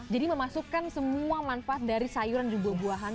jadi memasukkan semua manfaat dari sayuran juga buahan